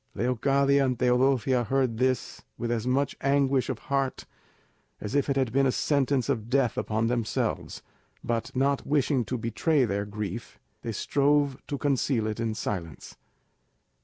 Leocadia and Teodosia heard this with as much anguish of heart as if it had been a sentence of death upon themselves; but not wishing to betray their grief, they strove to conceal it in silence.